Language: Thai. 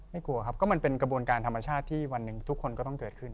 กลัวครับก็มันเป็นกระบวนการธรรมชาติที่วันหนึ่งทุกคนก็ต้องเกิดขึ้น